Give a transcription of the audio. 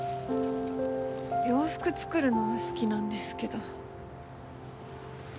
洋服作るのは好きなんですけど。